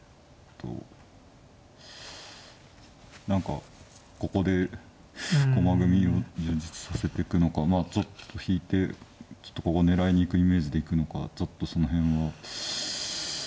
何かここで駒組みを充実させてくのかまあちょっと引いてちょっとここ狙いに行くイメージでいくのかちょっとその辺は。